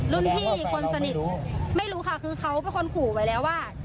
รุ่นพี่คนสนิทไม่รู้ค่ะคือเขาเป็นคนขู่ไว้แล้วว่า